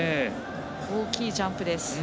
大きいジャンプです。